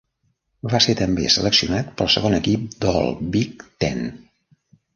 Va ser també seleccionat pel segon equip d'All-Big Ten.